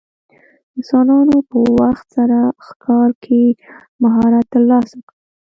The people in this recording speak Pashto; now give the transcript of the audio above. انسانانو په وخت سره ښکار کې مهارت ترلاسه کړ.